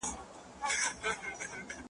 پرون هېر سو نن هم تېر دی ګړی بل ګړی ماښام دی `